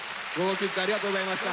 ｋｉｄｓありがとうございました。